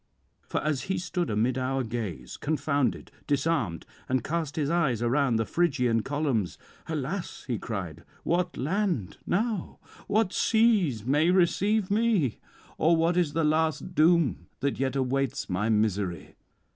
... For as he stood amid our gaze confounded, disarmed, and cast his eyes around the Phrygian columns, "Alas!" he cried, "what land now, what seas may receive me? or what is the last doom that yet awaits my misery?